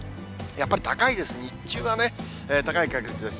やっぱり高いです、日中は高い確率です。